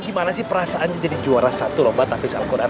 gimana sih perasaannya jadi juara satu lomba tafis al quran